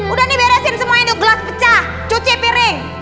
udah nih beresin semua ini gelas pecah cuci piring